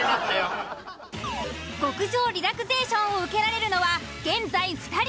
極上リラクゼ―ションを受けられるのは現在２人。